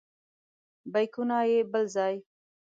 بیکونه یې بل ځای.